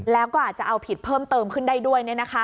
แล้วก็อาจจะเอาผิดเพิ่มเติมขึ้นได้ด้วย